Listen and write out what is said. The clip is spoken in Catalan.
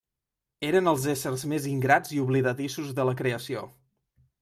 Eren els éssers més ingrats i oblidadissos de la creació.